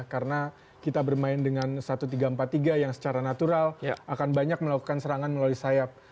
karena kita bermain dengan seribu tiga ratus empat puluh tiga yang secara natural akan banyak melakukan serangan melalui sayap